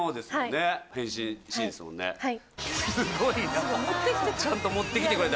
すごいな。